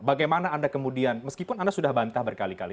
bagaimana anda kemudian meskipun anda sudah bantah berkali kali